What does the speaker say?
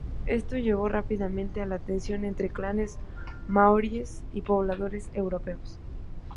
Esto llevó rápidamente a la tensión entre clanes maoríes y pobladores europeos.